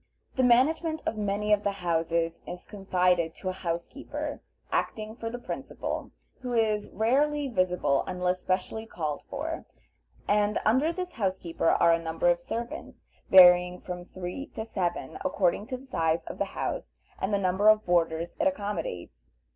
The management of many of the houses is confided to a housekeeper, acting for the principal, who is rarely visible unless specially called for, and under this housekeeper are a number of servants, varying from three to seven, according to the size of the house and the number of boarders it accommodates.